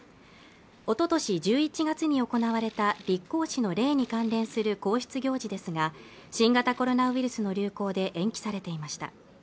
おととし１１月に行われた立皇嗣の礼に関連する皇室行事ですが新型コロナウイルスの流行で延期されていました